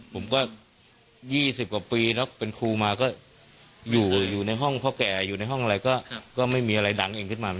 ผมก็๒๐กว่าปีแล้วเป็นครูมาก็อยู่ในห้องพ่อแก่อยู่ในห้องอะไรก็ไม่มีอะไรดังเองขึ้นมา